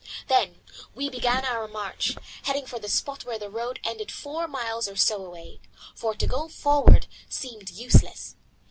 Then we began our march, heading for the spot where the road ended four miles or so away, for to go forward seemed useless.